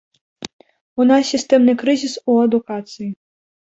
У нас сістэмны крызіс у адукацыі.